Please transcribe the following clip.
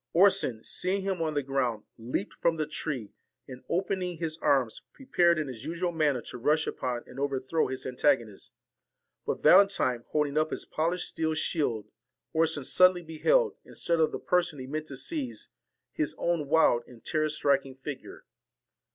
Orson seeing him on the ground leaped from the tree, and, open ing his arms, prepared in his usual manner to rush upon and overthrow his antagonist ; but Valentine holding up his polished steel shield Orson sudden ly beheld, instead of the person he meant to seize, his own wild and terror striking figure.